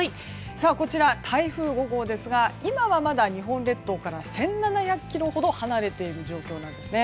こちら、台風５号ですが今はまだ日本列島から１７００ｋｍほど離れている状況なんですね。